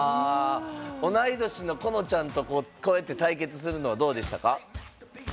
同い年の、このちゃんとこうやって対決するのどうでした？